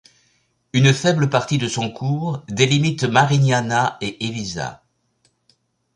Une faible partie de son cours délimite Marignana et Évisa.